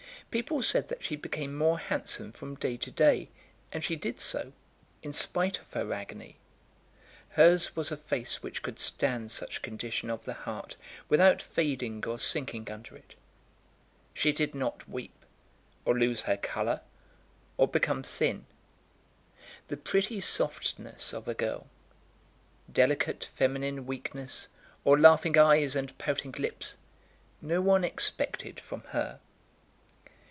People said that she became more handsome from day to day, and she did so, in spite of her agony. Hers was a face which could stand such condition of the heart without fading or sinking under it. She did not weep, or lose her colour, or become thin. The pretty softness of a girl, delicate feminine weakness, or laughing eyes and pouting lips, no one expected from her.